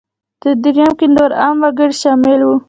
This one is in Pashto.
په درېیم کې نور عام وګړي شامل وو.